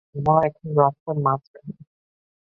আমরা এখন রাস্তার মাঝখানে।